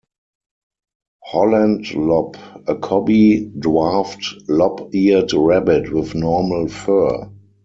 Holland Lop: a cobby, dwarfed lop-eared rabbit with normal fur.